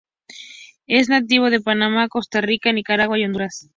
Es nativo de Panamá, Costa Rica, Nicaragua, y Honduras.